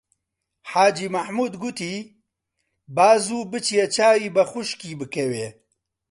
حاجی مەحموود گوتی: با زوو بچێ چاوی بە خوشکی بکەوێ